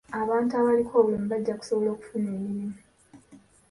Abantu abaliko obulemu bajja kusobola okufuna emirimu.